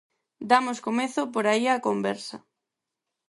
Damos comezo por aí á conversa.